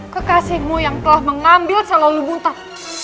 kekasihmu yang telah mengambil selalu buta